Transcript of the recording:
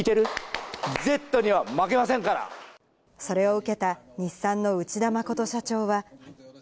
それを受けた日産の内田誠社長は。